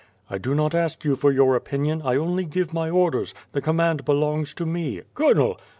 "I do not ask you for your opinion, I only give my orders. The command belongs to me." "Colonel!